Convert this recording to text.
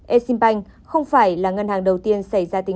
exim bank không phải là ngân hàng đầu tiên xảy ra tình huống